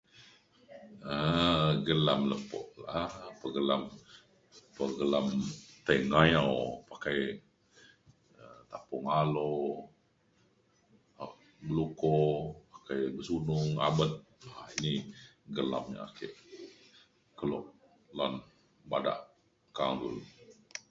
um Gelam lepo da, ek pe gelam tai mayo pa tapung alok, beluko pakai sunung, abet. Yie gelam yak ake kelo lan bada ka'ang dulue